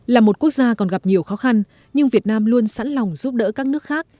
là một quốc gia còn gặp nhiều khó khăn nhưng việt nam luôn sẵn lòng giúp đỡ các nước khác